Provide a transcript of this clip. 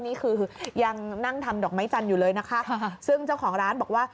นี่คือยังนั่งทำดอกไม้จันทร์อยู่เลยนะคะซึ่งเจ้าของร้านบอกว่า